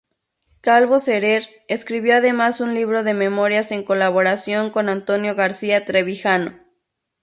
Calvo Serer escribió además un libro de Memorias en colaboración con Antonio García-Trevijano.